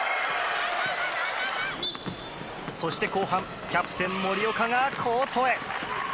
そして後半、キャプテン森岡がコートへ。